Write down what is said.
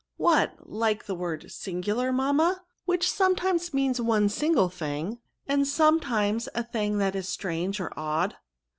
" What ! like the word singular, mamma ? which sometimes means one single thing, and sometimes a thing that is strange or odd.'